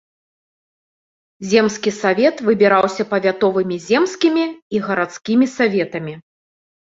Земскі савет выбіраўся павятовымі земскімі і гарадскімі саветамі.